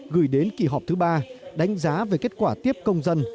gửi đến kỳ họp thứ ba đánh giá về kết quả tiếp công dân